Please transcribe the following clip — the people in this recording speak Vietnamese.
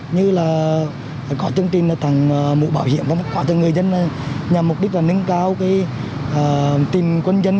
như là có chương trình thẳng mũ bảo hiểm và mất quả cho người dân nhằm mục đích là nâng cao tình quân dân